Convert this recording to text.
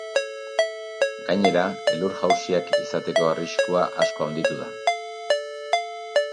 Gainera, elur-jausiak izateko arriskua asko handitu da.